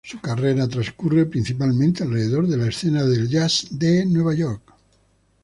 Su carrera trascurre principalmente alrededor de la escena de jazz de Nueva York.